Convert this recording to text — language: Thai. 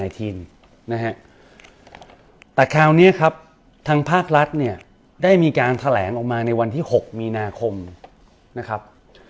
แต่คราวนี้ครับทางภาครัฐเนี่ยได้มีการแถลงออกมาในวันที่๖มีนาคมนะครับ